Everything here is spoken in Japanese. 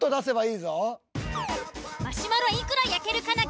いくら焼けるかな